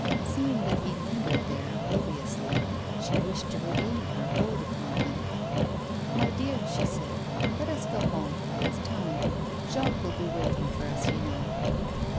Seeing that he lingered there obliviously, she wished to regain her hold upon him. 'My dear,' said she, 'let us go home; it's time. Jacques will be waiting for us, you know.